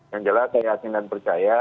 yang jelas saya yakin dan percaya